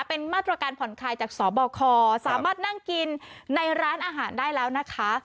เป็นมาตรการผ่อนคลายจากสบคสามารถนั่งกินในร้านอาหารได้แล้วนะคะ